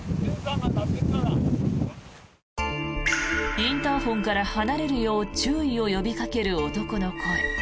インターホンから離れるよう注意を呼びかける男の声。